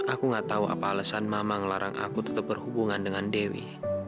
aku gak tahu apa alasan mama ngelarang aku tetap berhubungan dengan dewi